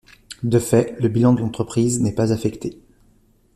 De fait, le bilan de l’entreprise n’est pas affecté.